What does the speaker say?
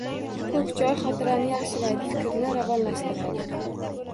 Ko‘k choy xotirani yaxshilaydi, fikrni ravonlashtiradi.